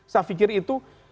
saya pikir itu